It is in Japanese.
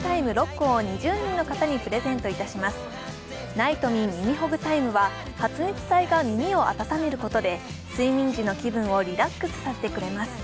ナイトミン耳ほぐタイムは発熱体が耳を温めることで睡眠時の気分をリラックスさせてくれます。